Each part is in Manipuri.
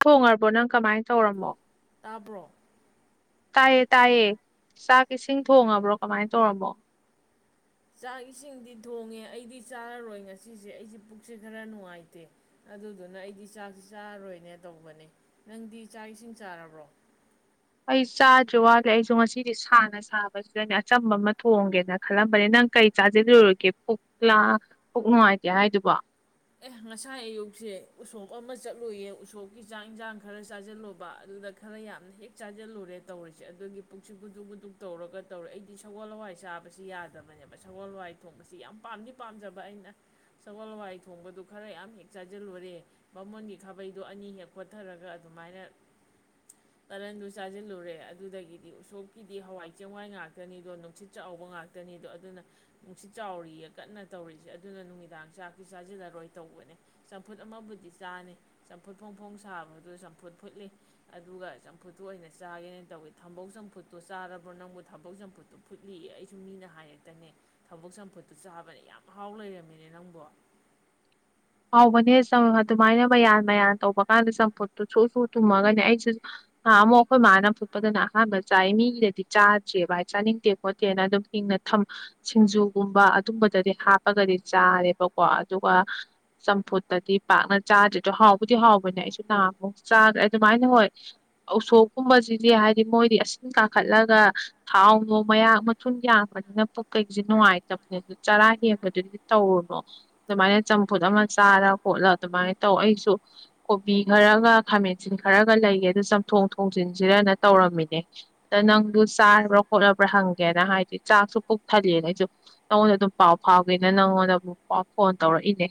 ꯊꯣꯡꯉꯔꯕꯣ ꯅꯪ ꯀꯃꯥꯏꯅ ꯇꯧꯔꯝꯃꯣ ꯈꯕ꯭ꯔꯣ ꯇꯥꯏꯌꯦ ꯇꯥꯏꯌꯦ ꯆꯥꯛ ꯏꯁꯤꯡ ꯊꯣꯡꯉꯕ꯭ꯔꯣ ꯀꯃꯥꯏ ꯇꯧꯔꯃꯣ ꯆꯥꯛ ꯏꯁꯤꯡꯗꯤ ꯊꯣꯡꯉꯦ ꯑꯩꯗꯤ ꯆꯥꯔꯔꯣꯏ ꯉꯁꯤꯁꯦ ꯑꯩꯁꯦ ꯄꯨꯛꯁꯦ ꯈꯔ ꯅꯨꯡꯉꯥꯏꯇꯦ ꯑꯗꯨꯗꯨꯅ ꯑꯩꯗꯤ ꯆꯥꯛꯁꯤ ꯆꯥꯔꯔꯣꯏꯅꯦ ꯇꯧꯕꯅꯦ ꯅꯪꯗꯤ ꯆꯥꯛ ꯏꯁꯤꯡ ꯆꯥꯔꯕ꯭ꯔꯣ ꯑꯩ ꯆꯥꯗ꯭ꯔꯤ ꯋꯥꯠꯂꯦ ꯑꯩꯁꯨ ꯉꯁꯤꯗꯤ ꯁꯥꯅ ꯁꯥꯕꯁꯤꯗꯅꯦ ꯑꯆꯝꯕ ꯑꯃ ꯊꯣꯡꯒꯦꯅ ꯈꯜꯂꯝꯕꯅꯦ ꯅꯪ ꯀꯔꯤ ꯆꯥꯁꯤꯂꯨꯔꯒꯦ ꯄꯨꯛꯂꯥ ꯄꯨꯛ ꯅꯨꯡꯉꯥꯏꯇꯦ ꯍꯥꯏꯗꯨꯕ ꯑꯦ ꯉꯁꯥꯏ ꯑꯌꯨꯛꯁꯦ ꯎꯁꯣꯞ ꯑꯃ ꯆꯠꯂꯨꯏꯌꯦ ꯎꯁꯣꯞꯀꯤ ꯆꯥꯛ ꯏꯟꯁꯥꯡ ꯈꯔ ꯆꯥꯁꯤꯜꯂꯨꯕ ꯑꯗꯨꯗ ꯈꯔ ꯌꯥꯝꯅ ꯍꯦꯛ ꯆꯥꯁꯤꯜꯂꯨꯔꯦ ꯇꯧꯔꯤꯁꯦ ꯑꯗꯨꯒꯤ ꯄꯨꯛꯁꯤ ꯍꯨꯗꯨꯛ ꯨꯗꯨꯛ ꯇꯧꯔꯒ ꯇꯧꯔꯦ ꯑꯩꯗꯤ ꯁꯒꯣꯜ ꯍꯋꯥꯏ ꯆꯥꯕꯁꯤ ꯌꯥꯗꯕꯅꯦꯕ ꯁꯒꯣꯜ ꯍꯋꯥꯏ ꯊꯣꯡꯕꯁꯤ ꯌꯥꯝ ꯄꯥꯝꯗꯤ ꯄꯥꯝꯖꯕ ꯑꯩꯅ ꯁꯒꯣꯜ ꯍꯋꯥꯏ ꯊꯣꯡꯕꯗꯨ ꯈꯔ ꯌꯥꯝ ꯍꯦꯛ ꯆꯥꯁꯤꯜꯂꯨꯔꯦ ꯃꯃꯣꯟꯒꯤ ꯈꯥꯕꯩꯗꯣ ꯑꯅꯤ ꯍꯦꯛ ꯈꯣꯊꯔꯒ ꯑꯗꯨꯃꯥꯏꯅ ꯀꯂꯟꯗꯨ ꯆꯥꯁꯤꯜꯂꯨꯔꯦ ꯑꯗꯨꯗꯒꯤꯗꯤ ꯎꯁꯣꯞꯀꯤꯗꯤ ꯍꯋꯥꯏ ꯆꯦꯡꯋꯥꯏ ꯉꯥꯛꯇꯅꯤꯗꯣ ꯅꯨꯡꯁꯤꯠ ꯆꯥꯎꯕ ꯉꯥꯛꯇꯅꯤꯗꯣ ꯑꯗꯨꯅ ꯅꯨꯡꯁꯤꯠ ꯆꯥꯎꯔꯤꯌꯦ ꯀꯟꯅ ꯇꯧꯔꯤꯁꯦ ꯑꯗꯨꯅ ꯅꯨꯃꯤꯗꯥꯡ ꯆꯥꯛ ꯆꯥꯁꯤꯜꯂꯔꯣꯏ ꯇꯧꯕꯅꯦ ꯆꯝꯐꯨꯠ ꯑꯃꯕꯨꯗꯤ ꯆꯥꯅꯤ ꯆꯝꯐꯨꯠ ꯐꯣꯡ ꯐꯣꯡ ꯁꯥꯕꯗ ꯆꯝꯐꯨꯠ ꯐꯨꯠꯂꯤ ꯑꯗꯨꯒ ꯆꯝꯐꯨꯠꯇꯨ ꯑꯣꯏꯅ ꯆꯥꯒꯦꯅꯦꯅ ꯇꯧꯏꯤ ꯊꯝꯕꯧ ꯆꯝꯐꯨꯠꯇꯣ ꯆꯥꯔꯕ꯭ꯔꯣ ꯅꯪꯕꯨ ꯊꯕꯛ ꯆꯝꯐꯨꯠꯇꯨ ꯐꯨꯠꯂꯤ ꯑꯩꯁꯨ ꯃꯤꯅ ꯍꯥꯏꯔꯛꯇꯅꯦ ꯊꯕꯛ ꯆꯝꯐꯨꯠꯇꯨ ꯆꯥꯕꯅꯦ ꯌꯥꯝ ꯍꯥꯎ ꯂꯩꯔꯝꯃꯤꯅꯦ ꯅꯪꯕꯨ ꯍꯥꯎꯕꯅꯦ ꯑꯗꯨꯃꯥꯏꯅ ꯃꯌꯥꯟ ꯃꯌꯥꯟ ꯇꯧꯕ ꯀꯥꯟꯗ ꯆꯝꯐꯨꯠꯇꯨ ꯁꯨ ꯁꯨ ꯊꯨꯝꯃꯒꯅꯦ ꯑꯩꯁꯨ ꯑꯃꯨꯛ ꯑꯩꯈꯣꯏ ꯃꯥꯅ ꯐꯨꯠꯄꯗꯅ ꯑꯍꯥꯟꯕ ꯆꯥꯏ ꯃꯤꯗꯗꯤ ꯆꯥꯗ꯭ꯦꯕ ꯍꯥꯏ ꯆꯥꯅꯤꯡꯗꯦ ꯈꯣꯠꯇꯦꯅ ꯑꯗꯨꯝ ꯍꯤꯡꯅꯝ ꯁꯤꯡꯖꯨꯒꯨꯝꯕ ꯑꯗꯨꯝꯕꯗꯗꯤ ꯍꯥꯞꯄꯒꯗꯤ ꯆꯥꯔꯦꯕꯀꯣ ꯑꯗꯨꯒ ꯆꯝꯐꯨꯠꯇꯗꯤ ꯄꯥꯛꯅ ꯆꯥꯗ꯭ꯦ ꯑꯗꯣ ꯍꯥꯎꯕꯨꯗꯤ ꯍꯥꯎꯕꯅꯦ ꯑꯩꯁꯨ ꯅꯍꯃꯨꯛ ꯆꯥꯈ꯭ꯔꯦ ꯑꯗꯨꯃꯥꯏꯅ ꯍꯣꯏ ꯑꯁꯣꯛꯀꯨꯝꯕꯁꯤꯗꯤ ꯍꯥꯏꯗꯤ ꯃꯣꯏꯗꯤ ꯑꯁꯤꯟ ꯀꯥꯈꯠꯂꯒ ꯊꯥꯎꯅꯣ ꯃꯌꯥꯛ ꯃꯊꯨ ꯌꯥꯡꯕꯅꯤꯅ ꯄꯣꯛꯀꯩꯁꯦ ꯅꯨꯡꯉꯥꯏꯇꯕꯅꯤ ꯑꯗꯨ ꯆꯔꯥ ꯍꯦꯟꯕꯗꯨꯗꯤ ꯇꯧꯔꯨꯅꯨ ꯑꯗꯨꯃꯥꯏꯅ ꯆꯝꯐꯨꯠ ꯑꯃ ꯆꯥꯔ ꯈꯣꯠꯂ ꯑꯗꯨꯃꯥꯏꯅ ꯇꯧ ꯑꯩꯁꯨ ꯀꯣꯕꯤ ꯈꯔꯒ ꯈꯥꯃꯦꯟꯁꯤꯟ ꯈꯔꯒ ꯂꯩꯒꯦ ꯑꯗꯨ ꯆꯝꯊꯣꯡ ꯊꯣꯡꯖꯤꯟꯁꯤꯔꯅ ꯇꯧꯔꯝꯃꯤꯅꯦ ꯑꯗ ꯅꯪꯗꯨ ꯆꯥꯔꯕ꯭ꯔꯥ ꯈꯣꯠꯂꯕ꯭ꯔꯥ ꯍꯪꯒꯦꯅ ꯍꯥꯏꯗꯤ ꯆꯥꯛꯁꯨ ꯄꯨꯛ ꯊꯂꯦꯅ ꯑꯩꯁꯨ ꯅꯪꯉꯣꯟꯗ ꯑꯗꯨꯝ ꯄꯥꯎ ꯐꯥꯎꯒꯦꯅ ꯅꯪꯉꯣꯟꯗ ꯑꯃꯛ ꯄꯥꯎ ꯐꯣꯟ ꯇꯧꯔꯛꯏꯅꯦ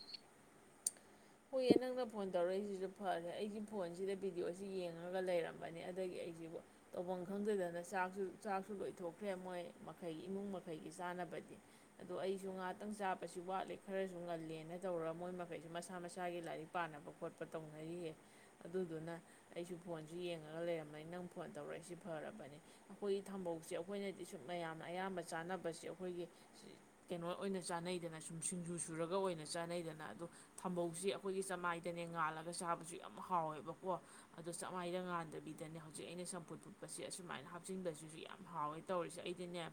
ꯍꯣꯏꯌꯦ ꯅꯪꯅ ꯐꯣꯟ ꯇꯧꯔꯛꯏꯁꯤꯁꯨ ꯐꯔꯦ ꯑꯩꯁꯤ ꯐꯣꯟꯁꯤꯗ ꯚꯤꯗꯤꯑꯣꯁꯤ ꯌꯦꯡꯉꯒ ꯂꯩꯔꯝꯕꯅꯤ ꯑꯗꯒꯤ ꯑꯩꯁꯤꯕꯨ ꯇꯧꯐꯝ ꯈꯪꯗꯗꯅ ꯆꯥꯛꯁꯨ ꯆꯥꯛꯁꯨ ꯂꯣꯏꯊꯣꯛꯈ꯭ꯔꯦ ꯃꯣꯏ ꯃꯈꯩꯒꯤ ꯏꯃꯨꯡ ꯃꯈꯩꯒꯤ ꯆꯥꯅꯕꯗꯤ ꯑꯗꯣ ꯑꯩꯁꯨ ꯉꯥꯏꯍꯥꯛꯇꯪ ꯆꯥꯕꯁꯤ ꯋꯥꯠꯂꯤꯦ ꯈꯔꯁꯨ ꯉꯜꯂꯦꯅ ꯇꯧꯔꯒ ꯃꯣꯏ ꯃꯈꯩꯁꯨ ꯃꯁꯥ ꯃꯁꯥ ꯏꯁꯥꯒꯤ ꯂꯥꯏꯔꯤꯛ ꯄꯥꯅꯕ ꯈꯣꯠꯄ ꯇꯧꯅꯔꯤꯌꯦ ꯑꯗꯨꯗꯨꯅ ꯑꯩꯁꯨ ꯐꯣꯟꯁꯨ ꯌꯦꯡꯉꯒ ꯂꯩꯔꯝꯂ ꯅꯪ ꯐꯣꯟ ꯇꯧꯔꯛꯏꯁꯤꯦ ꯐꯔꯕꯅꯤ ꯑꯩꯈꯣꯏꯒꯤ ꯊꯝꯕꯧꯁꯦ ꯑꯩꯈꯣꯏꯅꯗꯤ ꯁꯨꯝ ꯃꯌꯥꯝꯅ ꯑꯌꯥꯝꯕ ꯆꯥꯅꯕꯁꯦ ꯑꯩꯈꯣꯏꯒꯤ ꯀꯩꯅꯣ ꯑꯣꯏꯅ ꯆꯥꯅꯩꯗꯅ ꯁꯨꯝ ꯁꯤꯡꯖꯨ ꯁꯨꯔꯒ ꯑꯣꯏꯅ ꯆꯥꯅꯩꯗꯅ ꯑꯗꯣ ꯊꯝꯕ ꯁꯤ ꯑꯩꯈꯣꯏꯒꯤ ꯆꯃꯥꯏꯗꯅꯦ ꯉꯥꯜꯂꯒ ꯆꯥꯕꯁꯨ ꯌꯥꯝ ꯍꯥꯎꯋꯦꯕꯀꯣ ꯑꯗꯣ ꯆꯃꯥꯏꯗ ꯉꯥꯟꯗꯕꯤꯗꯅꯦ ꯍꯧꯖꯤꯛ ꯑꯩꯅ ꯆꯝꯐꯨꯠ ꯐꯨꯠꯄꯁꯦ ꯑꯁꯨꯃꯥꯏꯅ ꯍꯥꯞꯆꯤꯟꯕꯁꯤꯁꯨ ꯌꯥꯝ ꯍꯥꯎꯋꯦ ꯇꯧꯔꯤꯁꯦ ꯑꯩꯗꯤꯅꯦ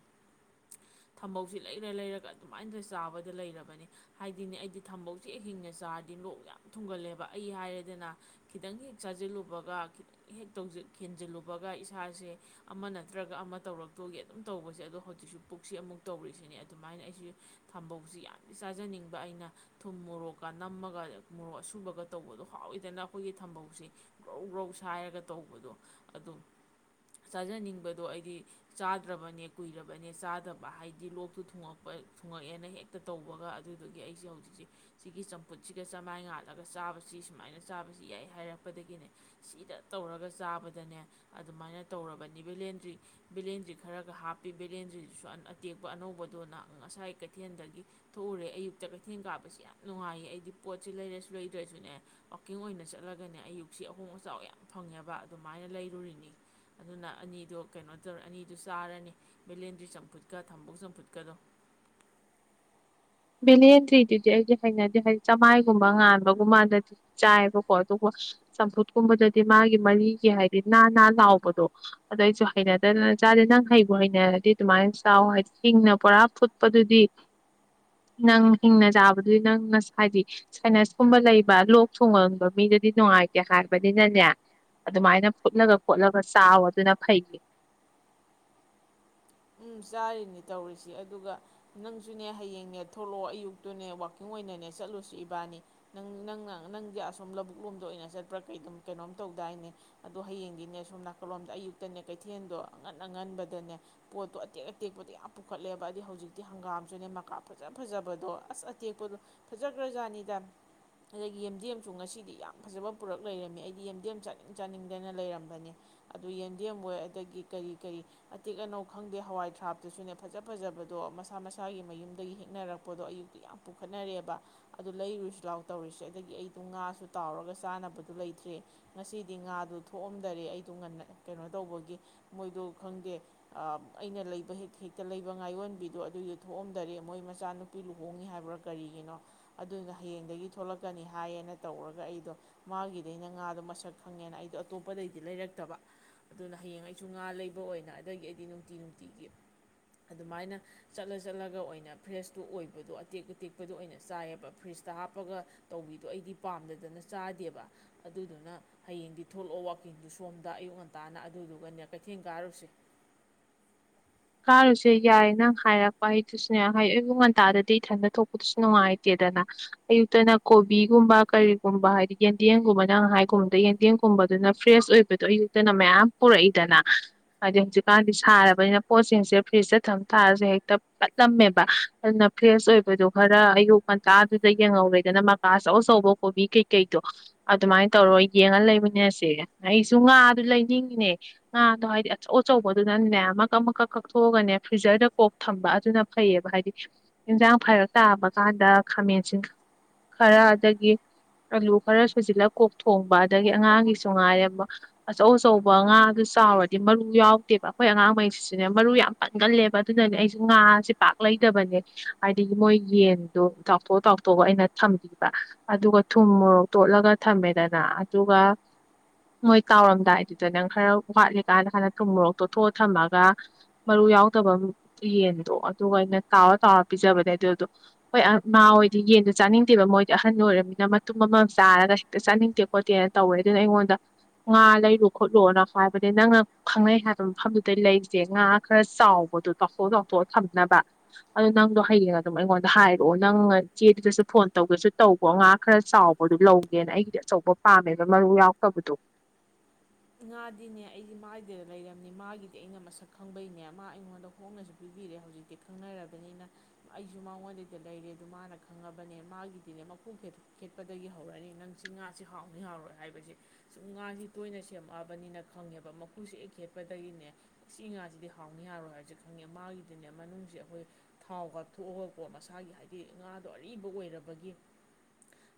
ꯊꯝꯕꯧꯁꯤ ꯂꯩꯔ ꯂꯩꯔꯒ ꯑꯗꯨꯃꯥꯏꯅ ꯆꯥꯕꯗ ꯂꯩꯔꯕꯅꯦ ꯍꯥꯏꯗꯤꯅꯦ ꯑꯩꯗꯤ ꯊꯝꯕꯧꯁꯦ ꯍꯦꯛ ꯍꯤꯡꯅ ꯆꯥ ꯗꯤ ꯂꯣꯛ ꯌꯥꯝ ꯊꯨꯡꯒꯜꯂꯦꯕ ꯑꯩ ꯍꯥꯏꯔꯗꯅ ꯈꯤꯇꯪ ꯍꯦꯛ ꯆꯥꯁꯤꯜꯂꯨꯕꯒ ꯈꯤꯇꯪ ꯍꯦꯛ ꯍꯦꯟꯖꯤꯜꯂꯨꯕꯒ ꯏꯁꯥꯁꯦ ꯑꯃ ꯅꯠꯇ꯭ꯔꯒ ꯑꯃ ꯇꯧꯔꯛꯇꯣꯒꯤ ꯑꯗꯨꯝ ꯇꯧꯕꯁꯦ ꯑꯗꯣ ꯍꯧꯖꯤꯛꯁꯨ ꯄꯨꯛꯁꯤ ꯑꯃꯨꯛ ꯇꯧꯔꯤꯁꯤꯅꯦ ꯑꯗꯨꯃꯥꯏꯅ ꯑꯩꯁꯨ ꯊꯝꯕꯧꯁꯤ ꯌꯥꯝꯅ ꯆꯥꯖꯅꯤꯡꯕ ꯑꯩꯅ ꯊꯨꯝ ꯃꯣꯔꯣꯛꯀ ꯅꯝꯃꯒ ꯃꯣꯔꯣꯛ ꯑꯁꯨꯕꯒ ꯇꯧꯕꯗꯣ ꯍꯥꯎꯋꯏꯗꯅ ꯑꯩꯈꯣꯏꯒꯤ ꯊꯝꯕꯧꯁꯤꯦ ꯒ꯭ꯔꯧ ꯒ꯭ꯔꯧ ꯁꯥꯏꯔꯒ ꯇꯧꯕꯗꯣ ꯑꯗꯨ ꯆꯥꯖꯅꯤꯡꯕꯗꯣ ꯑꯩꯗꯤ ꯆꯥꯗ꯭ꯔꯕꯅꯦ ꯀꯨꯏꯔꯕꯅꯦ ꯆꯥꯗꯕ ꯍꯥꯏꯗꯤ ꯂꯣꯛꯇꯨ ꯊꯨꯡꯉꯛꯄ ꯊꯨꯡꯉꯛꯑꯦꯅ ꯍꯦꯛꯇ ꯇꯧꯕꯒ ꯑꯗꯨꯗꯨꯒꯤ ꯑꯩꯁꯦ ꯍꯧꯖꯤꯛꯁꯦ ꯁꯤꯒꯤ ꯆꯝꯐꯨꯠ ꯁꯤꯒ ꯆꯝꯃꯥꯏ ꯉꯥꯜꯂꯒ ꯆꯥꯕꯁꯤ ꯁꯨꯃꯥꯏꯅ ꯆꯥꯕꯁꯤ ꯌꯥꯏ ꯍꯥꯏꯔꯛꯄꯗꯒꯤꯅꯦ ꯁꯤꯗ ꯇꯧꯔꯒ ꯆꯥꯕꯗꯅꯦ ꯑꯗꯨꯃꯥꯏꯅ ꯇꯧꯔꯕꯅꯤ ꯕꯦꯂꯦꯟꯗ꯭ꯔꯤ ꯕꯦꯂꯦꯟꯗ꯭ꯔꯤ ꯈꯔꯒ ꯍꯥꯞꯄꯤ ꯕꯦꯂꯦꯟꯗ꯭ꯔꯤꯗꯨꯁꯨ ꯑꯇꯦꯛꯄ ꯑꯅꯧꯕꯗꯣꯅ ꯉꯁꯥꯏ ꯀꯩꯊꯦꯜꯗꯒꯤ ꯊꯣꯛꯎꯔꯦ ꯑꯌꯨꯛꯇ ꯀꯩꯊꯦꯜ ꯀꯥꯕꯁꯤ ꯌꯥꯝ ꯅꯨꯡꯉꯥꯏꯌꯦ ꯑꯩꯗꯤ ꯄꯣꯠꯁꯤ ꯂꯩꯔꯁꯨ ꯂꯩꯗ꯭ꯔꯁꯨꯅꯦ ꯋꯥꯛꯀꯤꯡ ꯑꯣꯏꯅ ꯆꯠꯂꯒꯅꯦ ꯑꯌꯨꯛꯁꯤ ꯑꯍꯣꯡ ꯑꯆꯥꯎ ꯌꯥꯝ ꯐꯪꯉꯦꯕ ꯑꯗꯨꯃꯥꯏꯅ ꯂꯩꯔꯨꯔꯤꯅꯤ ꯑꯗꯨꯅ ꯑꯅꯤꯗꯣ ꯀꯩꯅꯣ ꯇꯧꯔ ꯑꯅꯤꯗꯣ ꯆꯥꯔꯅꯤ ꯃꯦꯂꯦꯟꯗ꯭ꯔꯤ ꯆꯝꯐꯨꯠꯀ ꯊꯝꯕꯣꯛ ꯆꯝꯐꯨꯠꯀꯗꯣ ꯚꯦꯂꯦꯟꯇ꯭ꯔꯤꯗꯨꯗꯤ ꯑꯩꯗꯤ ꯍꯩꯅꯗꯦ ꯍꯥꯏꯗꯤ ꯆꯝꯃꯥꯏꯒꯨꯝꯕ ꯉꯥꯟꯕꯒꯨꯝꯕꯥꯟꯗꯗꯤ ꯆꯥꯏꯕꯀꯣ ꯑꯗꯨꯒ ꯆꯝꯐꯨꯠꯀꯨꯝꯕꯗꯗꯤ ꯃꯥꯒꯤ ꯃꯔꯤꯒꯤ ꯍꯥꯏꯗꯤ ꯅꯥ ꯅꯥ ꯂꯥꯎꯕꯗꯣ ꯑꯗꯨꯗꯣ ꯑꯩꯁꯨ ꯍꯩꯅꯗꯗꯅ ꯆꯥꯗꯦ ꯅꯪ ꯍꯩꯕ ꯍꯩꯅꯔꯗꯤ ꯑꯗꯨꯃꯥꯏꯅ ꯆꯥꯎ ꯍꯥꯏꯗꯤ ꯍꯤꯡꯅ ꯄꯨꯔꯥ ꯐꯨꯠꯄꯗꯨꯗꯤ ꯅꯪ ꯍꯤꯡꯅ ꯆꯥꯕꯗꯨ ꯅꯪꯅ ꯍꯥꯏꯗꯤ ꯁꯥꯏꯅꯁꯀꯨꯝꯕ ꯂꯩꯕ ꯂꯣꯛ ꯊꯨꯡꯒꯟꯕ ꯃꯤꯗꯗꯤ ꯅꯨꯡꯉꯥꯏꯇꯦ ꯍꯥꯏꯕꯅꯤꯅꯅꯦ ꯑꯗꯨꯃꯥꯏꯅ ꯐꯨꯠꯂꯒ ꯈꯣꯠꯂꯒ ꯆꯥꯎꯋ ꯑꯗꯨꯅ ꯐꯩꯒꯤ ꯎꯝ ꯆꯥꯔꯤꯅꯤ ꯇꯧꯔꯤꯁꯤ ꯑꯗꯨꯒ ꯅꯪꯁꯨꯅꯦ ꯍꯌꯦꯡꯅꯦ ꯊꯣꯛꯂꯛꯑꯣ ꯑꯌꯨꯛꯇꯨꯅꯦ ꯋꯥꯛꯀꯤꯡ ꯑꯣꯏꯅꯅꯦ ꯆꯠꯂꯨꯁꯤ ꯏꯕꯥꯅꯤ ꯅꯪ ꯅꯪꯅ ꯅꯪꯗꯤ ꯑꯁꯣꯨꯝ ꯂꯧꯕꯨꯛ ꯂꯣꯝꯗ ꯑꯣꯏꯅ ꯆꯠꯄ꯭ꯔꯥ ꯀꯩ ꯑꯗꯨꯝ ꯀꯩꯅꯣꯝ ꯇꯧꯗꯥꯏꯅꯦ ꯑꯗꯣ ꯍꯌꯦꯡꯗꯤꯅꯦ ꯁꯣꯝ ꯅꯥꯀꯜꯂꯣꯝꯗ ꯑꯌꯨꯛꯇꯅꯦ ꯀꯩꯊꯦꯜꯗꯣ ꯑꯉꯟ ꯑꯉꯟꯕꯗꯅꯦ ꯄꯣꯠꯇꯣ ꯑꯇꯦꯛ ꯑꯇꯦꯛꯄꯗꯣ ꯌꯥꯝ ꯄꯨꯈꯠꯂꯦꯕ ꯑꯗꯩ ꯍꯧꯖꯤꯛꯇꯤ ꯍꯪꯒꯥꯝꯁꯨꯅꯦ ꯃꯀꯥꯞ ꯐꯖ ꯐꯖꯕꯗꯣ ꯑꯁ ꯑꯇꯦꯛꯄꯗꯣ ꯐꯖꯈ꯭ꯔꯖꯥꯠꯅꯤꯗ ꯑꯗꯒꯤ ꯌꯦꯦꯝꯗꯦꯝꯁꯨ ꯉꯁꯤꯗꯤ ꯌꯥꯝ ꯐꯖꯕ ꯄꯨꯔꯛ ꯂꯩꯔꯝꯃꯦ ꯑꯩꯗꯤ ꯌꯦꯦꯝꯗꯦꯝ ꯆꯥꯅꯤꯡ ꯆꯥꯅꯤꯡꯗꯅ ꯂꯩꯔꯝꯕꯅꯦ ꯑꯗꯨ ꯌꯦꯦꯝꯗꯦꯝ ꯍꯣꯏ ꯑꯗꯒꯤ ꯀꯔꯤ ꯀꯔꯤ ꯑꯇꯦꯛ ꯑꯅꯧ ꯈꯪꯗꯦ ꯍꯋꯥꯏ ꯊ꯭ꯔꯥꯞꯇꯨꯁꯨꯅꯦ ꯐꯖ ꯐꯖꯕꯗꯣ ꯃꯁꯥ ꯃꯁꯥꯒꯤ ꯃꯌꯨꯝꯗꯒꯤ ꯍꯦꯛꯅꯔꯛꯄꯗꯣ ꯑꯌꯨꯛꯇꯤ ꯌꯥꯝ ꯄꯨꯈꯠꯅꯔꯛꯑꯦꯕ ꯑꯗꯨ ꯂꯩꯔꯨꯁꯨ ꯂꯥꯎ ꯇꯧꯔꯤꯁꯦ ꯑꯗꯒꯤ ꯑꯩꯗꯣ ꯉꯥꯁꯨ ꯇꯥꯎꯔꯒ ꯆꯥꯅꯕꯗ ꯂꯩꯇ꯭ꯔꯦ ꯉꯁꯤꯗꯤ ꯉꯥꯗꯨꯣ ꯊꯣꯛꯑꯝꯗꯔꯦ ꯑꯩꯗꯣ ꯉ ꯀꯩꯅꯣ ꯇꯧꯕꯒꯤ ꯃꯣꯏꯗꯣ ꯈꯪꯗꯦ ꯑꯩꯅ ꯂꯩꯕ ꯍꯦꯛ ꯍꯦꯛꯇ ꯂꯩꯕ ꯉꯥꯌꯣꯟꯕꯤꯗꯣ ꯑꯗꯨꯏꯗꯣ ꯊꯣꯛꯑꯝꯗꯔꯦ ꯃꯣꯏ ꯃꯆꯥꯅꯨꯄꯤ ꯂꯨꯍꯣꯡꯉ ꯍꯥꯏꯕ꯭ꯔꯥ ꯀꯔꯤꯒꯤꯅꯣ ꯑꯗꯨꯅ ꯍꯌꯦꯡꯗꯒꯤ ꯊꯣꯛꯂꯛꯀꯅꯤ ꯍꯥꯏꯌꯦꯅ ꯇꯧꯔꯒ ꯑꯩꯗꯣ ꯃꯥꯒꯤꯗꯩꯅ ꯉꯥꯗꯣ ꯃꯁꯛ ꯈꯪꯉꯦꯅ ꯑꯩꯗꯣ ꯑꯇꯣꯞꯄꯗꯩꯗꯤ ꯂꯩꯔꯛꯇꯕ ꯑꯗꯨꯅ ꯍꯌꯦꯡ ꯑꯩꯁꯨ ꯉꯥ ꯂꯩꯕ ꯑꯣꯏꯅ ꯑꯗꯒꯤ ꯑꯩ ꯗꯤ ꯅꯨꯡꯇꯤ ꯅꯨꯡꯇꯤꯒꯤ ꯑꯗꯨꯃꯥꯏꯅ ꯆꯠꯂ ꯆꯠꯂꯒ ꯑꯣꯏꯅ ꯐ꯭ꯔꯦꯖꯇꯨ ꯑꯣꯏꯕꯗꯣ ꯑꯇꯦꯛ ꯑꯇꯦꯛꯄꯗꯣ ꯑꯣꯏꯅ ꯆꯥꯏꯌꯦꯕ ꯐ꯭ꯔꯤꯖꯇ ꯍꯥꯞꯄꯒ ꯇꯧꯕꯤꯗꯣ ꯑꯩꯗꯤ ꯄꯥꯝꯗꯗꯅ ꯆꯥꯗꯦꯕ ꯑꯗꯨꯗꯨꯅ ꯍꯌꯦꯡꯗꯤ ꯊꯣꯛꯂꯛꯑꯣ ꯋꯀꯤꯡꯗꯨꯣ ꯁꯣꯝꯗ ꯑꯌꯨꯛ ꯉꯟꯇꯥꯅ ꯑꯗꯨꯗꯨꯒꯅꯦ ꯀꯩꯊꯦꯜ ꯀꯥꯔꯨꯁꯦ ꯀꯥꯔꯨꯁꯦ ꯌꯥꯏ ꯅꯪ ꯍꯥꯏꯔꯛꯄ ꯑꯩꯗꯨꯁꯨꯅꯦ ꯍꯥꯏ ꯑꯌꯨꯛ ꯉꯟꯇꯥꯗꯗꯤ ꯏꯊꯟꯗ ꯊꯣꯛꯄꯗꯨꯁꯨ ꯅꯨꯡꯉꯥꯏꯇꯦꯗꯅ ꯑꯌꯨꯛꯇꯅ ꯀꯣꯕꯤꯒꯨꯝꯕ ꯀꯔꯤꯒꯨꯝꯕ ꯍꯥꯏꯗꯤ ꯌꯦꯟꯗꯦꯝꯒꯨꯝꯕꯅꯪ ꯉ ꯍꯥꯏꯒꯨꯝꯕꯗ ꯌꯦꯟꯗꯦꯝꯒꯨꯝꯕꯗꯨꯅ ꯐ꯭ꯔꯦꯁ ꯑꯣꯏꯕꯗꯣ ꯑꯌꯨꯛꯇꯅ ꯃꯌꯥꯝ ꯄꯨꯔꯛꯏꯗꯅ ꯍꯥꯏꯗꯤ ꯍꯧꯖꯤꯛꯀꯥꯟꯗꯤ ꯁꯥꯔꯕꯅꯤꯅ ꯄꯣꯠꯁꯤꯡꯁꯦ ꯐ꯭ꯔꯤꯖꯇ ꯊꯝ ꯊꯥꯔꯁꯨꯦ ꯍꯦꯛꯇ ꯐꯠꯂꯝꯃꯦꯕ ꯑꯗꯨꯅ ꯐ꯭ꯔꯦꯁ ꯑꯣꯏꯕꯗꯣ ꯈꯔ ꯑꯌꯨꯛ ꯉꯟꯇꯥꯗꯨꯗ ꯌꯦꯡꯍꯧꯔꯦꯗꯅ ꯃꯀꯥ ꯑꯆꯧ ꯑꯆꯧꯕ ꯀꯣꯕꯤ ꯀꯩꯀꯩꯗꯣ ꯑꯗꯨꯃꯥꯏꯅ ꯇꯧꯔꯒ ꯌꯦꯡꯉ ꯂꯩꯕꯅꯦꯁꯦ ꯑꯩꯁꯨ ꯉꯥꯗꯨ ꯂꯩꯅꯤꯡꯉꯤꯅꯦ ꯉꯥꯗꯣ ꯍꯥꯏꯗꯤ ꯑꯆꯧ ꯑꯆꯧꯕꯗꯨꯅꯅꯦ ꯑꯃ ꯀꯀꯛ ꯃꯀꯛ ꯀꯛꯊꯣꯛꯑꯒꯅꯦ ꯐ꯭ꯔꯤꯖꯔꯗ ꯀꯣꯛ ꯊꯝꯕ ꯑꯗꯨꯅ ꯐꯩꯌꯦꯕ ꯍꯥꯏꯗꯤ ꯏꯟꯖꯥꯡ ꯐꯥꯏꯔꯛ ꯇꯥꯕ ꯀꯥꯟꯗ ꯈꯥꯃꯦꯟꯁꯤ ꯈꯔ ꯑꯗꯒꯤ ꯑꯂꯨ ꯈꯔ ꯁꯨꯖꯤꯜꯂ ꯀꯣꯛ ꯊꯣꯡꯕ ꯑꯗꯒꯤ ꯑꯉꯥꯡꯒꯤꯁꯨ ꯉꯥꯏꯔꯕ ꯑꯆꯧ ꯑꯆꯧꯕ ꯉꯥ ꯑꯗꯨ ꯆꯥꯎꯔꯗꯤ ꯃꯔꯨ ꯌꯥꯎꯗꯦꯕ ꯑꯩꯈꯣꯏ ꯑꯉꯥꯡꯉꯩ ꯁꯤꯅ ꯃꯔꯨ ꯌꯥꯝ ꯄꯟꯒꯜꯂꯦꯕ ꯑꯗꯨꯗꯅꯦ ꯑꯩꯁꯨ ꯉꯥꯁꯦ ꯄꯥꯛ ꯂꯩꯗꯕꯅꯦ ꯍꯥꯏꯗꯤ ꯃꯣꯏ ꯌꯦꯟꯗꯣ ꯇꯥꯎꯊꯣꯛ ꯇꯥꯎꯊꯣꯛꯑꯒ ꯑꯩꯅ ꯊꯝꯕꯤꯕ ꯑꯗꯨꯒ ꯊꯨꯝ ꯃꯣꯔꯣꯛ ꯇꯣꯠꯂꯒ ꯊꯝꯃꯦꯗꯅ ꯑꯗꯨꯒ ꯃꯣꯏ ꯀꯥꯎꯔꯝꯗꯥꯏꯗꯨꯗ ꯅꯪ ꯈꯔ ꯋꯥꯠꯂꯤꯀꯥꯟꯗ ꯍꯥꯟꯅ ꯊꯨꯝ ꯃꯣꯔꯣꯛ ꯇꯣꯠꯊꯣꯛꯑ ꯊꯝꯃꯒ ꯃꯔꯨ ꯌꯥꯎꯗꯕ ꯌꯦꯟꯗꯣ ꯑꯗꯨꯒ ꯑꯩꯅ ꯇꯥꯎꯔ ꯇꯥꯎꯔ ꯄꯤꯖꯕꯅꯦ ꯑꯗꯨꯗꯣ ꯍꯣꯏ ꯃꯥꯥ ꯍꯣꯏꯗꯤ ꯌꯦꯟꯗꯣ ꯆꯥꯅꯤꯡꯗꯦꯕ ꯃꯣꯏꯗꯤ ꯑꯍꯟ ꯑꯣꯏꯔꯕꯃꯤꯅ ꯃꯇꯨꯝ ꯑꯃꯃꯝ ꯆꯥꯔꯒ ꯍꯦꯛꯇ ꯆꯥꯅꯤꯡꯗꯦ ꯈꯣꯠꯇꯦꯅ ꯇꯧꯋꯦ ꯑꯗꯨꯅ ꯑꯩꯉꯣꯟꯗ ꯉꯥ ꯂꯩꯔꯨ ꯈꯣꯠꯂꯨꯅ ꯍꯥꯏꯕꯅꯦ ꯅꯪꯅ ꯈꯪꯅꯩ ꯍꯥꯏꯕ ꯃꯐꯝꯗꯨꯗ ꯂꯩ ꯏꯆꯦ ꯉꯥ ꯈꯔ ꯆꯥꯎꯕꯗꯣ ꯇꯥꯎꯊꯣꯛ ꯇꯥꯎꯊꯣꯛꯑ ꯊꯝꯅꯕ ꯑꯗꯣ ꯅꯪꯗꯣ ꯍꯌꯦꯡ ꯑꯗꯨꯝ ꯑꯩꯉꯣꯟꯗ ꯍꯥꯏꯔꯛꯑꯣ ꯅꯪꯅ ꯏꯆꯦꯗꯨꯗꯁꯨ ꯐꯣꯟ ꯇꯧꯒꯦꯁꯨ ꯇꯧꯕꯣ ꯉꯥ ꯈꯔ ꯆꯥꯎꯕꯗꯨꯣ ꯂꯧꯒꯦꯅ ꯑꯩꯒꯤꯗꯤ ꯑꯆꯧꯕ ꯄꯥꯝꯃꯦꯕ ꯃꯔꯨ ꯌꯥꯎꯛꯇꯕꯗꯣ ꯉꯥꯗꯤꯅꯦ ꯑꯩꯁꯦ ꯃꯥꯒꯤꯗꯩꯗ ꯂꯩꯔꯝꯅꯤ ꯃꯥꯒꯤꯗꯤ ꯑꯩꯅ ꯃꯁꯛ ꯈꯪꯕꯩꯅꯦ ꯃꯥ ꯑꯩꯉꯣꯟꯗ ꯍꯣꯡꯅꯁꯨ ꯄꯤꯕꯤꯔꯦ ꯍꯧꯖꯤꯛꯇꯤ ꯈꯪꯅꯔꯕꯅꯤꯅ ꯑꯩꯁꯨ ꯃꯉꯣꯟꯗꯩꯗ ꯂꯩꯔꯦ ꯑꯗꯨ ꯃꯥꯅ ꯈꯪꯉꯕꯅꯦ ꯃꯥꯒꯤꯗꯤꯅꯦ ꯃꯈꯣꯡ ꯈꯦꯠꯄꯗꯒꯤ ꯍꯧꯔꯅꯤ ꯅꯪ ꯁꯤ ꯉꯥꯥꯁ ꯍꯥꯎꯅꯤ ꯍꯥꯎꯔꯣꯏ ꯍꯥꯏꯕꯁꯦ ꯁꯨꯝ ꯉꯥꯁꯤ ꯇꯣꯏꯅ ꯆ ꯁꯦꯝꯃꯛꯑꯕꯅꯤꯅ ꯈꯪꯉꯦꯕ ꯃꯈꯨꯁꯦ ꯍꯦꯛ ꯈꯦꯠꯄꯗꯒꯤꯅꯦ ꯁꯤ ꯉꯥꯁꯤꯗꯤ ꯍꯥꯎꯅꯤ ꯌꯥꯔꯣꯏ ꯍꯥꯏꯔꯁꯦ ꯈꯪꯉꯦ ꯃꯥꯒꯤꯗꯤꯅꯦ ꯃꯅꯨꯡꯁꯦ ꯑꯩꯈꯣꯏ ꯊꯥꯎ ꯀꯥꯞꯊꯣꯛꯑꯒꯀꯣ ꯃꯁꯥꯒꯤ ꯍꯥꯏꯗꯤ ꯉꯥꯗꯣ ꯑꯔꯤꯕ ꯑꯣꯏꯔꯕꯒꯤ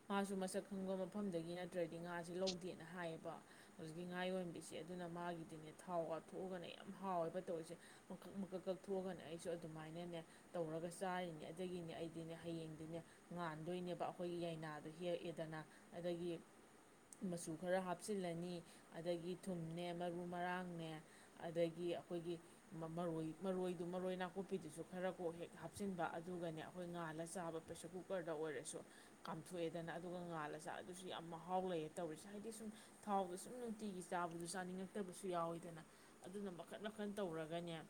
ꯃꯥꯁꯨ ꯃꯁꯛ ꯈꯪꯕ ꯃꯐꯝꯗꯒꯤ ꯅꯠꯇ꯭ꯔꯗꯤ ꯉꯥꯁꯦ ꯂꯧꯗꯦꯅ ꯍꯥꯏꯌꯦꯕ ꯍꯧꯖꯤꯛꯀꯤ ꯉꯥ ꯌꯣꯟꯝꯕꯤꯁꯦ ꯑꯗꯨꯅ ꯃꯥꯒꯤꯗꯤꯅꯦ ꯊꯥꯎꯒ ꯊꯣꯛꯑꯒꯅꯦ ꯌꯥꯝ ꯍꯥꯎꯋꯦꯕ ꯇꯧꯔꯤꯁꯦ ꯃꯀꯛ ꯃꯀꯛ ꯀꯛ ꯊꯣꯛꯑꯒꯅꯦ ꯑꯩꯁꯨ ꯑꯗꯨꯃꯥꯏꯅꯅꯦ ꯇꯧꯔꯒ ꯆꯥꯔꯤꯅꯦ ꯑꯗꯨꯗꯒꯤꯅꯦ ꯑꯩꯗꯤꯅꯦ ꯍꯌꯦꯡꯗꯤꯅꯦ ꯉꯥꯟꯗꯣꯏꯅꯦꯕ ꯑꯩꯈꯣꯏꯒꯤ ꯌꯥꯏꯅꯥꯗꯣ ꯍꯦꯛꯑꯦꯗꯅ ꯑꯗꯒꯤ ꯃꯆꯨ ꯈꯔ ꯍꯥꯞꯆꯤꯜꯂꯅꯤ ꯑꯗꯒꯤ ꯊꯨꯝꯅꯦ ꯃꯔꯨ ꯃꯔꯥꯡꯅꯦ ꯑꯗꯒꯤ ꯑꯩꯈꯣꯏꯒꯤ ꯃꯔꯣꯏ ꯃꯔꯣꯏꯗꯨ ꯃꯔꯣꯏ ꯅꯥꯀꯨꯞꯄꯤꯗꯨꯁꯨ ꯈꯔ ꯀꯣꯛ ꯍꯦꯛ ꯍꯥꯞꯆꯤꯟꯕ ꯑꯗꯨꯒꯅꯦ ꯑꯩꯈꯣꯏ ꯉꯥꯜꯂ ꯆꯥꯕ ꯄ꯭ꯔꯦꯁꯔ ꯀꯨꯀꯔꯗ ꯑꯣꯏꯔꯁꯨ ꯀꯥꯝꯊꯣꯛꯑꯦꯗꯅ ꯑꯗꯨꯒ ꯉꯥꯜꯂ ꯆꯥ ꯑꯗꯨꯁꯨ ꯌꯥꯝ ꯃꯍꯥꯎ ꯂꯩꯌꯦ ꯇꯧꯔꯤꯁꯦ ꯍꯥꯏꯗꯤ ꯁꯨꯝ ꯊꯥꯎ ꯁꯨꯝ ꯅꯨꯡꯇꯤꯒꯤ ꯆꯥꯕꯗꯨ ꯆꯥꯅꯤꯡꯉꯛꯇꯕꯁꯨ ꯌꯥꯎꯋꯤꯗꯅ ꯑꯗꯨꯅ ꯃꯈꯟ ꯃꯈꯟ ꯇꯧꯔꯒꯅꯦ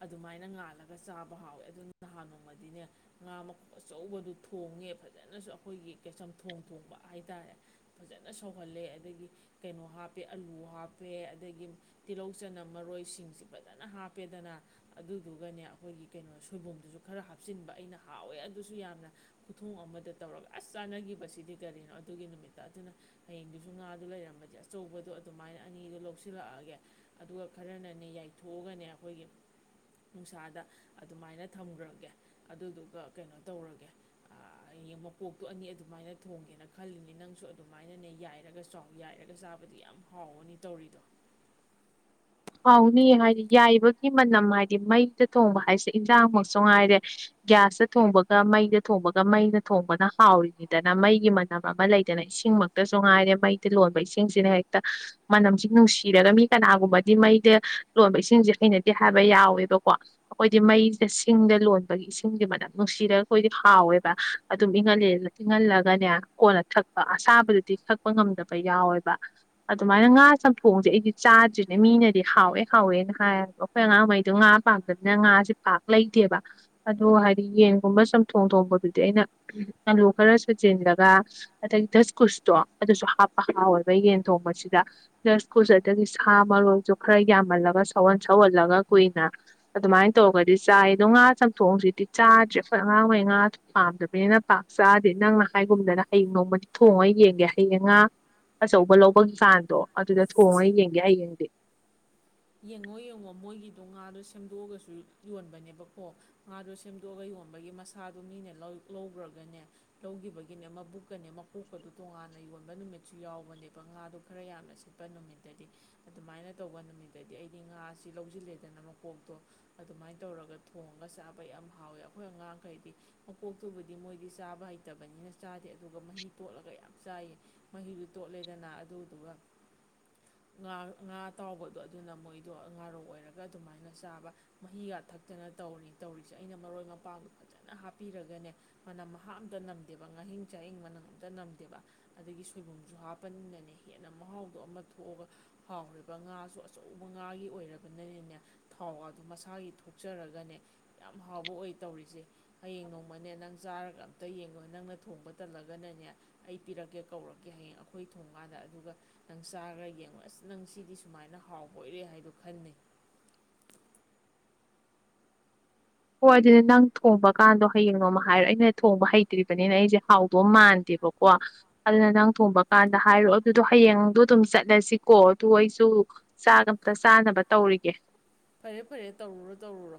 ꯑꯗꯨꯃꯥꯏꯅ ꯉꯥꯜꯂꯒ ꯆꯥꯕ ꯍꯥꯎꯋꯦ ꯑꯗꯨ ꯅꯍꯥꯟ ꯅꯣꯡꯃꯗꯤꯅꯦ ꯉꯥ ꯃꯈꯣꯛ ꯑꯆꯧꯕꯗꯨ ꯊꯣꯡꯉꯦ ꯐꯖꯅꯁꯨ ꯑꯩꯈꯣꯏꯒꯤ ꯆꯝꯊꯣꯡ ꯊꯣꯡꯕ ꯍꯥꯏꯇꯥꯔꯦ ꯐꯖꯅ ꯁꯧꯍꯜꯂꯦ ꯑꯗꯒꯤ ꯀꯩꯅꯣ ꯍꯥꯞꯄꯦ ꯑꯂꯨ ꯍꯥꯞꯄꯦ ꯑꯗꯒꯤ ꯇꯤꯜꯍꯧ ꯆꯅꯝ ꯃꯔꯣꯏꯁꯤꯡꯁꯤ ꯐꯖꯅ ꯍꯥꯞꯄꯦꯗꯅ ꯑꯗꯨꯗꯨꯒꯅꯦ ꯑꯩꯈꯣꯏꯒꯤ ꯀꯩꯅꯣ ꯁꯣꯏꯕꯨꯝꯗꯨꯁꯨ ꯈꯔ ꯍꯥꯞꯆꯤꯟꯕ ꯑꯩꯅ ꯍꯥꯎꯋꯦ ꯑꯗꯨꯁꯨ ꯌꯥꯝꯅ ꯈꯨꯊꯣꯡ ꯑꯃꯗ ꯇꯧꯔꯒ ꯑꯁ ꯆꯥꯟꯅꯈꯤꯕꯁꯤꯗꯤ ꯀꯔꯤꯅꯣ ꯑꯗꯨꯒꯤ ꯅꯨꯃꯤꯠꯇ ꯑꯗꯨꯅ ꯍꯌꯦꯡꯗꯨꯁꯨ ꯉꯥꯗꯨ ꯂꯩꯔꯝꯕ ꯍꯥꯏ ꯑꯆꯧꯕꯗꯣ ꯑꯗꯨꯃꯥꯏꯅ ꯑꯅꯤꯗꯣ ꯂꯧꯁꯤꯜꯂꯛꯑꯒꯦ ꯑꯗꯨꯒ ꯈꯔꯅꯅꯦ ꯌꯥꯏꯊꯣꯛꯑꯒꯅꯦ ꯑꯩꯈꯣꯏꯒꯤ ꯅꯨꯡꯁꯥꯗ ꯑꯗꯨꯃꯥꯏꯅ ꯊꯝꯈ꯭ꯔꯒꯦ ꯑꯗꯨꯗꯨꯒ ꯀꯩꯅꯣ ꯇꯧꯔꯒꯦ ꯃꯀꯣꯛꯇꯣ ꯑꯅꯤ ꯑꯗꯨꯃꯥꯏꯅ ꯊꯣꯡꯒꯦꯅ ꯈꯜꯂꯤꯅꯦ ꯅꯪꯁꯨ ꯑꯗꯨꯃꯥꯏꯅꯅꯦ ꯌꯥꯏꯔꯒ ꯆꯥꯎ ꯌꯥꯏꯔꯒ ꯂꯣ ꯆꯥꯕꯗꯤ ꯌꯥꯝ ꯍꯥꯎꯕꯅꯤ ꯇꯧꯔꯤꯗꯣ ꯍꯥꯎꯅꯤꯌꯦ ꯍꯥꯏꯗꯤ ꯌꯥꯏꯕꯒꯤ ꯃꯅꯝ ꯍꯥꯏꯗꯤ ꯃꯩꯗ ꯊꯣꯡꯕ ꯍꯥꯏꯁꯦ ꯏꯟꯁꯥꯡꯃꯛꯁꯨ ꯉꯥꯏꯔꯦ ꯒ꯭ꯌꯥꯁꯇ ꯊꯣꯡꯕꯒ ꯃꯩꯗ ꯊꯣꯡꯕꯒ ꯃꯩꯅ ꯊꯣꯡꯕꯅ ꯍꯥꯎꯔꯤꯅꯤꯗꯅ ꯃꯩꯒꯤ ꯃꯅꯝ ꯑꯃ ꯂꯩꯗꯅ ꯏꯁꯤꯡꯃꯛꯇꯁꯨ ꯉꯥꯏꯔꯦ ꯃꯩꯗ ꯂꯣꯟꯕ ꯏꯁꯤꯡꯁꯤꯅ ꯍꯦꯛꯇ ꯃꯅꯝꯁꯤ ꯅꯨꯡꯁꯤꯔꯒ ꯃꯤ ꯀꯅꯥꯒꯨꯝꯕ ꯗꯤ ꯃꯩꯗ ꯂꯣꯟꯕ ꯏꯁꯤꯡꯁꯦ ꯍꯩꯅꯗꯦ ꯍꯥꯏꯕ ꯌꯥꯎꯋꯦꯕꯀꯣ ꯑꯈꯣꯏꯗꯤ ꯃꯩꯁꯦ ꯁꯤꯡꯗ ꯂꯣꯟꯕꯒꯤ ꯏꯁꯤꯡꯁꯦ ꯃꯅꯝ ꯅꯨꯡꯁꯤꯔꯒ ꯑꯈꯣꯏꯗꯤ ꯍꯥꯎꯋꯦꯕ ꯑꯗꯨꯝ ꯏꯪꯉꯗꯤ ꯏꯪꯍꯜꯂꯒꯅꯦ ꯀꯣꯟꯅ ꯊꯛꯄ ꯑꯁꯥꯕꯗꯨꯗꯤ ꯊꯛꯄ ꯉꯝꯗꯕ ꯌꯥꯎꯋꯦꯕ ꯑꯗꯨꯃꯥꯏꯅ ꯉꯥ ꯆꯝꯊꯣꯡꯁꯦ ꯑꯩꯗꯤ ꯆꯥꯗ꯭ꯔꯤ ꯑꯦ ꯃꯤꯅꯗꯤ ꯍꯥꯎꯋꯦ ꯍꯥꯎꯋꯦꯅ ꯍꯥꯏꯕ ꯑꯩꯈꯣꯏ ꯑꯉꯥꯡꯉꯩꯗꯣ ꯉꯥ ꯄꯥꯝꯗꯕꯅꯤꯅ ꯉꯥꯁꯦ ꯄꯥꯛ ꯂꯩꯇꯦꯕ ꯑꯗꯣ ꯍꯥꯏꯗꯤ ꯌꯦꯟꯒꯨꯝꯕ ꯆꯨꯝꯊꯣꯡ ꯊꯣꯡꯕꯗꯨꯗꯤ ꯑꯩꯅ ꯑꯂꯨ ꯈꯔ ꯁꯥꯖꯤꯜꯂꯒ ꯑꯗꯒꯤ ꯗꯁ ꯀꯨꯁꯇꯣ ꯑꯗꯨꯁꯨ ꯍꯥꯞꯄ ꯍꯥꯎꯋꯦꯕ ꯌꯦꯟ ꯊꯣꯡꯕꯁꯤꯗ ꯗꯁ ꯀꯨꯁ ꯑꯗꯒꯤ ꯍꯥꯥ ꯃꯔꯣꯛꯁꯨ ꯈꯔ ꯌꯥꯝꯍꯜꯂꯒ ꯁꯧꯍꯟ ꯁꯧꯍꯜꯂꯒ ꯀꯨꯏꯅ ꯑꯗꯨꯃꯥꯏꯅ ꯇꯧꯔꯒꯗꯤ ꯆꯥꯏ ꯑꯗꯣ ꯉꯥ ꯆꯝꯊꯣꯡꯁꯤꯗꯤ ꯆꯥꯗ꯭ꯔꯦ ꯑꯉꯥꯡꯈꯩ ꯉꯥꯁꯨ ꯄꯥꯝꯗꯕꯅꯤꯅ ꯄꯥꯛ ꯆꯥꯗꯦ ꯅꯪꯅ ꯍꯥꯏꯒꯨꯝꯗꯅ ꯍꯌꯦꯡ ꯅꯣꯡꯃꯗꯤ ꯊꯣꯡꯉ ꯌꯦꯡꯒꯦ ꯍꯌꯦꯡ ꯉꯥ ꯑꯆꯧꯕ ꯂꯧꯕꯒꯤ ꯆꯥꯡꯗꯣ ꯑꯗꯨꯗ ꯊꯣꯡꯉ ꯌꯦꯡꯒꯦ ꯌꯥꯏ ꯌꯦꯗꯤ ꯌꯦꯡꯉꯣ ꯌꯦꯡꯉꯣ ꯃꯣꯏꯒꯤꯗꯣ ꯉꯥꯗꯣ ꯁꯦꯝꯗꯣꯛꯑꯒꯁꯨ ꯌꯣꯟꯕꯅꯦꯕꯀꯣ ꯉꯥꯗꯣ ꯁꯦꯝꯗꯣꯛꯑꯒ ꯌꯣꯟꯕꯒꯤ ꯃꯁꯥꯗꯣ ꯃꯤꯅ ꯂꯧꯈ꯭ꯔꯒꯅꯦ ꯂꯧꯈꯤꯕꯒꯤꯅꯦ ꯃꯕꯨꯛꯀꯅꯦ ꯃꯀꯣꯛꯀꯗꯨꯣ ꯇꯣꯉꯥꯟꯅ ꯌꯣꯟꯕ ꯅꯨꯃꯤꯠꯁꯨ ꯌꯥꯎꯕꯅꯦꯕ ꯉꯥꯗꯣ ꯈꯔ ꯌꯥꯝꯅ ꯁꯤꯠꯄ ꯅꯨꯃꯤꯠꯇꯗꯤ ꯑꯗꯨꯃꯥꯏꯅ ꯇꯧꯕ ꯅꯨꯃꯤꯠ ꯗꯗꯤ ꯑꯩꯗꯤ ꯉꯥꯁꯤ ꯂꯧꯁꯤꯜꯂꯦꯗꯅ ꯃꯀꯣꯛꯇꯣ ꯑꯗꯨꯃꯥꯏꯅ ꯇꯧꯔꯒ ꯊꯣꯡꯉꯒ ꯆꯥꯕ ꯌꯥꯝ ꯍꯥꯎꯋꯦ ꯑꯩꯈꯣꯏ ꯑꯉꯥꯡꯈꯩꯗꯤ ꯃꯀꯣꯛꯇꯨꯕꯨꯗꯤ ꯃꯣꯏꯗꯤ ꯆꯥꯕ ꯍꯩꯇꯕꯅꯤꯅ ꯆꯥꯗꯦ ꯑꯗꯨꯒ ꯃꯍꯤ ꯇꯣꯠꯂꯒ ꯌꯥꯝ ꯆꯥꯏꯌꯦ ꯃꯍꯤꯗꯨ ꯇꯣꯠꯂꯦꯗꯅ ꯑꯗꯨꯗꯨꯒ ꯉꯥ ꯉꯥꯇꯥꯎꯕ ꯑꯗꯣ ꯑꯗꯨꯅ ꯃꯣꯏꯗꯣ ꯉꯥꯔꯣꯛ ꯑꯣꯏꯔꯒ ꯑꯗꯨꯃꯥꯏꯅ ꯆꯥꯕ ꯃꯍꯤꯒ ꯊꯛꯇꯅ ꯇꯧꯔꯤ ꯇꯧꯔꯤꯁꯦ ꯑꯩꯅ ꯃꯔꯣꯏ ꯃꯄꯥꯡꯗꯣ ꯐꯖꯅ ꯍꯥꯞꯄꯤꯔꯒꯅꯦ ꯃꯅꯝ ꯃꯍ ꯑꯝꯇ ꯅꯝꯗꯦꯕ ꯉꯥꯍꯤꯡ ꯆꯥꯍꯤꯡ ꯃꯅꯝ ꯑꯝꯇ ꯅꯝꯗꯦꯕ ꯑꯗꯒꯤ ꯁꯣꯏꯕꯨꯝꯁꯨ ꯍꯥꯞꯄꯅꯤꯅꯅꯦ ꯍꯦꯟꯅ ꯃꯍꯥꯎꯗꯣ ꯑꯃ ꯊꯣꯛꯑꯒ ꯍꯥꯎꯔꯤꯕ ꯉꯥꯁꯨ ꯑꯆꯧꯕ ꯉꯥꯒꯤ ꯑꯣꯏꯔꯕꯅꯤꯅꯅꯦ ꯊꯥꯎꯗꯣ ꯃꯁꯥꯒꯤ ꯊꯣꯛꯆꯔꯒꯅꯦ ꯌꯥꯝ ꯍꯥꯎꯕ ꯑꯣꯏ ꯇꯧꯔꯤꯁꯦ ꯍꯌꯦꯡ ꯅꯣꯡꯃꯅꯦ ꯅꯪ ꯆꯥꯔꯒ ꯑꯇꯩ ꯌꯦꯡꯉꯣ ꯅꯪꯅ ꯊꯣꯡꯕ ꯇꯜꯂꯒꯅꯅꯦ ꯑꯩ ꯄꯤꯔꯛꯀꯦ ꯀꯧꯔꯛꯀꯦ ꯍꯌꯦꯡ ꯑꯩꯈꯣꯏ ꯊꯣꯡꯀꯥꯟꯗ ꯑꯗꯨꯒ ꯅꯪ ꯆꯥꯈ꯭ꯔ ꯌꯦꯡꯉꯣ ꯑꯁ ꯅꯪ ꯁꯤꯗꯤ ꯁꯨꯃꯥꯏꯅ ꯍꯥꯎ ꯑꯣꯏꯔꯦ ꯍꯥꯏꯗꯣ ꯈꯟꯅꯩ ꯍꯣꯏ ꯑꯗꯨꯗꯤ ꯅꯪ ꯊꯣꯡꯕꯀꯥꯟꯗꯣ ꯍꯌꯦꯡ ꯅꯣꯝ ꯍꯥꯏꯔꯣꯑꯣ ꯑꯩꯅ ꯊꯣꯡꯕ ꯍꯩꯇ꯭ꯔꯤꯕꯅꯤꯅ ꯑꯩꯁꯦ ꯍꯥꯎꯗꯧ ꯃꯥꯟꯗꯦꯕꯀꯣ ꯑꯗꯨꯅ ꯅꯪ ꯊꯣꯡꯕ ꯀꯥꯟꯗ ꯍꯥꯏꯔꯛꯑꯣ ꯑꯗꯨꯗꯣ ꯍꯌꯦꯡꯗꯣ ꯑꯗꯨꯝ ꯆꯠꯂꯁꯤꯀꯣ ꯑꯗꯨ ꯑꯩꯁꯨ ꯆꯥ ꯑꯝꯇ ꯆꯥꯅꯕ ꯇꯧꯔꯤꯒꯦ ꯐꯔꯦ ꯐꯔꯦ ꯇꯧꯔꯨꯔꯣ ꯇꯧꯔꯨꯔꯣ